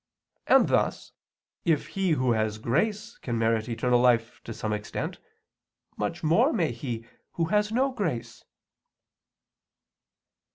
And thus if he who has grace can merit eternal life to some extent, much more may he who has no grace.